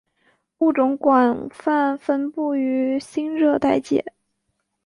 物种广泛分布于新热带界。